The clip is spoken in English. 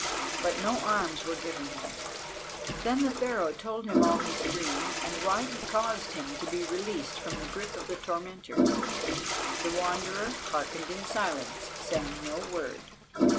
But no arms were given him. Then Pharaoh told him all his dream, and why he caused him to be released from the grip of the tormentors. The Wanderer hearkened in silence, saying no word.